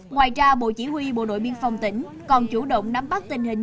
ngoài ra bộ chỉ huy bộ đội biên phòng tỉnh còn chủ động nắm bắt tình hình